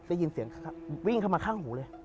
ได้ยินเสียงวิ่งเข้ามาข้างหูเลย